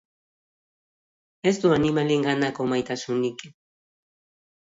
Ez du animalienganako maitasunik.